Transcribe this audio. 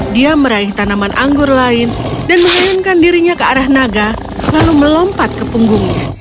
dia meraih tanaman anggur lain dan mengayunkan dirinya ke arah naga lalu melompat ke punggungnya